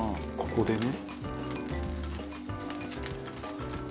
「ここでね」